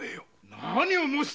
何を申す